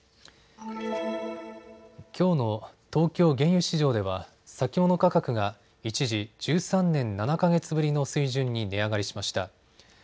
きょうの東京原油市場では先物価格が一時、１３年７か月ぶりの水準に値上がりしました。